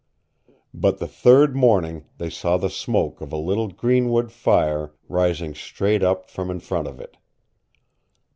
But the third morning they saw the smoke of a little greenwood fire rising straight up from in front of it.